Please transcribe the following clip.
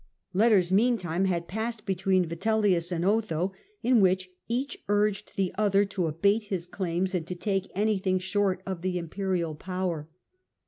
Letters meantime had passed between Vitellius and Otho, in which each urged the other to abate his claims, and to take anything short of the imperial power.